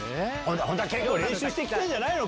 本当は結構、練習してきてんじゃないの？